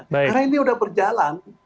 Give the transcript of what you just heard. karena ini sudah berjalan